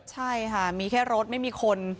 ใช่ค่ะมีแค่รถไม่มีคน